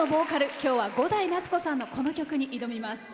今日は伍代夏子さんのこの曲に挑みます。